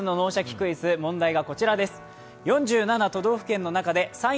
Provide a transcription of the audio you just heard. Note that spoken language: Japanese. クイズ」、問題はこちらです。